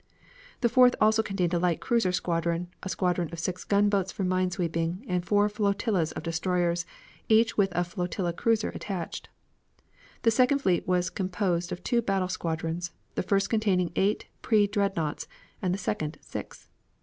The fourth also contained a light cruiser squadron, a squadron of six gunboats for mine sweeping, and four flotillas of destroyers, each with a flotilla cruiser attached. The second fleet was composed of two battle squadrons, the first containing eight pre dreadnaughts, and the second six.